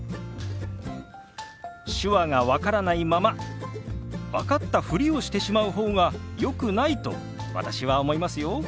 手話が分からないまま分かったふりをしてしまう方がよくないと私は思いますよ。